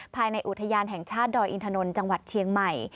ภายในอุทยานแห่งชาติดอยอินทนนท์จังหวัดเชียงใหม่